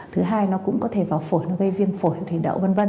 thứ hai nó cũng có thể vào phổi nó gây viêm phổi thủy đậu v v